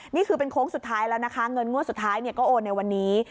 นี่คือเป็นโค้งสุดท้ายแล้วนะคะเงินงวดสุดท้ายก็โอนในวันนี้